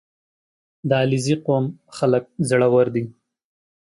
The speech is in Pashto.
• د علیزي قوم خلک زړور دي.